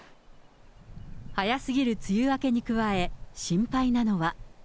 早すぎる梅雨明けに加え、心配なのは。